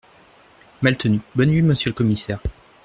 Maltenu Bonne nuit, Monsieur le commissaire…